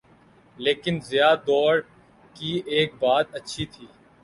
لیکن ضیاء دور کی ایک بات اچھی تھی۔